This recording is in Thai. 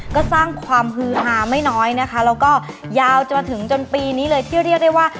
ก็สร้างความฮือฮาไม่น้อยนะคะแล้วก็ยาวจนถึงจนปีนี้เลยที่เรียกได้ว่า